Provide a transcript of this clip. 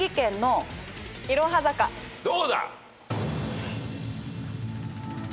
どうだ？